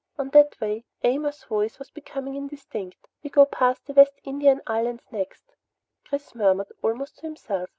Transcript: "On that way " Amos's voice was becoming indistinct. "We go past the West Indian Islands next," Chris murmured, almost to himself.